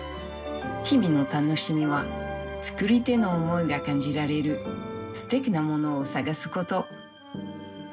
日々の楽しみは作り手の思いが感じられるすてきなものを探すこと。